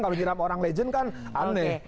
kalau kirap orang legend kan aneh